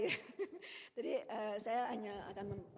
sebenarnya tadi yang disampaikan pak yuda itu udah detail sekali